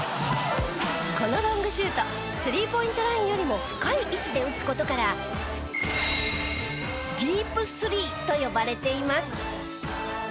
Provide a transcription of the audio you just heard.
このロングシュートスリーポイントラインよりも深い位置で打つ事からＤｅｅｐ３と呼ばれています。